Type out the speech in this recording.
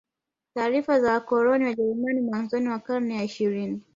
Taarifa za wakoloni Wajerumani mwanzoni mwa karne ya ishirini